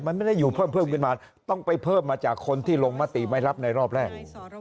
มันไม่ได้อยู่เพิ่มขึ้นมาต้องไปเพิ่มมาจากคนที่ลงมติไม่รับในรอบแรก